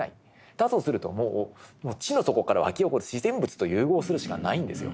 だとするともう地の底からわき起こる自然物と融合するしかないんですよ。